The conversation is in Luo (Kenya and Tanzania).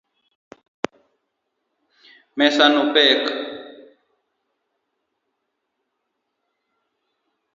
Mesa no pek